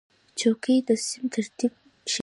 چوکۍ د صنف ترتیب ښیي.